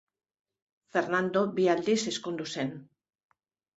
Fernando bi aldiz ezkondu zen.